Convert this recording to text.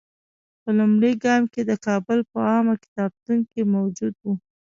په لومړي ګام کې د کابل په عامه کتابتون کې موجود وو.